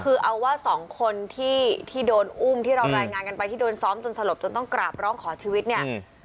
คือเอาว่าสองคนที่โดนอุ้มที่เรารายงานกันไปที่โดนซ้อมจนสลบจนต้องกราบร้องขอชีวิตเนี่ย